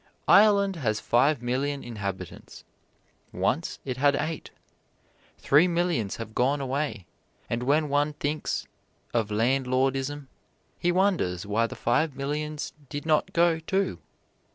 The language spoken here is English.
Ireland has five million inhabitants; once it had eight. Three millions have gone away, and when one thinks of landlordism he wonders why the five millions did not go, too.